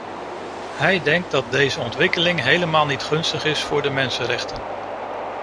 Hij denkt dat deze ontwikkeling helemaal niet gunstig is voor de mensenrechten.